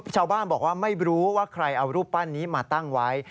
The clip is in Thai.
ชาวบ้านบอกว่าไม่รู้ว่าใครเอารูปปั้นนี้มาตั้งไว้